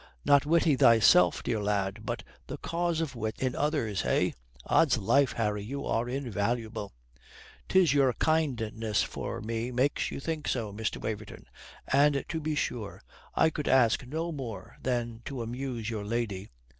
"Not witty thyself, dear lad, but the cause of wit in others, eh? Odds life, Harry, you are invaluable." "'Tis your kindness for me makes you think so, Mr. Waverton. And, to be sure, I could ask no more than to amuse your lady."